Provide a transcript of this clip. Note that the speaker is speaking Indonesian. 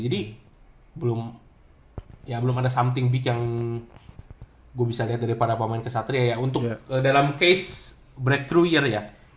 belum ada something big yang gue bisa lihat dari para pemain kesatria ya untuk dalam case breakthro year ya